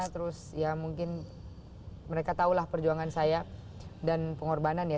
terus ya mungkin mereka tahulah perjuangan saya dan pengorbanan ya